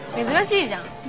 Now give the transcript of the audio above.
珍しいじゃん。